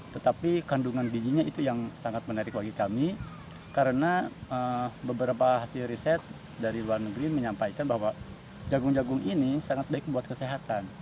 tetapi kandungan bijinya itu yang sangat menarik bagi kami karena beberapa hasil riset dari luar negeri menyampaikan bahwa jagung jagung ini sangat baik buat kesehatan